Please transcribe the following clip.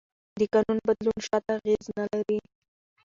د قانون بدلون شاته اغېز نه لري.